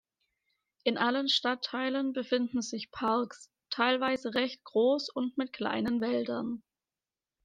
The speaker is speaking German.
In allen Stadtteilen befinden sich Parks, teilweise recht groß und mit kleinen Wäldern.